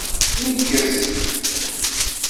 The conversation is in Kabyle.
Nneggez.